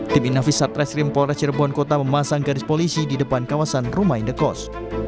tim inavis satreskrim polres cirebon kota memasang garis polisi di depan kawasan rumah indekos